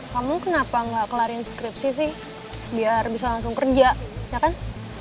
kamu kenapa nggak kelarin skripsi sih biar bisa langsung kerja ya kan